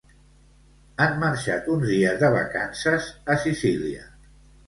Han marxat uns dies de vacances a Sicília.